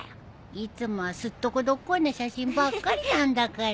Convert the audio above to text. いつもはすっとこどっこいな写真ばっかりなんだから。